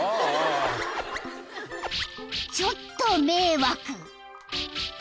［ちょっと迷惑］